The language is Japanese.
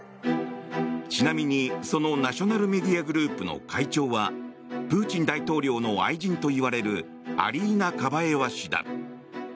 ちなみにそのナショナル・メディア・グループの会長はプーチン大統領の愛人といわれるアリーナ・カバエワ氏だ。